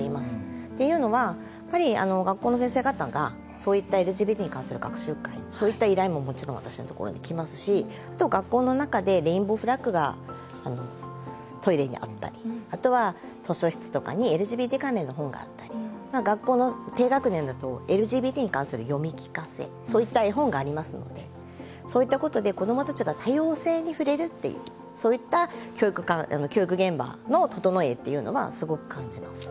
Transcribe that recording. っていうのはやっぱり学校の先生方がそういったＬＧＢＴに関する学習会そういった依頼ももちろん私のところに来ますしあとは学校の中でレインボーフラッグがトイレにあったりあとは図書室とかにＬＧＢＴ関連の本があったり学校の低学年だとＬＧＢＴに関する読み聞かせそういった絵本がありますのでそういったことで子どもたちが多様性に触れるっていうそういった教育現場のととのえっていうのはすごく感じます。